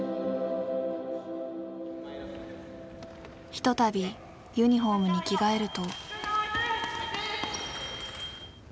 ひとたびユニフォームに着替えると。